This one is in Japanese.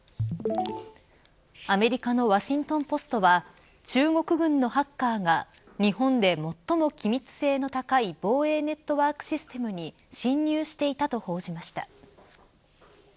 アメリカのワシントン・ポストは中国軍のハッカーが日本で最も機密性の高い防衛ネットワークシステムに侵入していたと報じました。